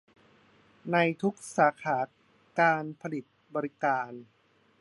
ในทุกสาขาการผลิตบริการ